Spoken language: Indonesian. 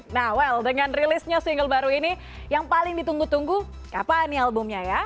nah well dengan rilisnya single baru ini yang paling ditunggu tunggu kapan nih albumnya ya